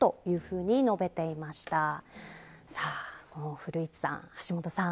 古市さん、橋下さん